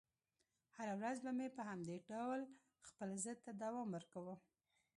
هره ورځ به مې په همدې ډول خپل ضد ته دوام ورکاوه.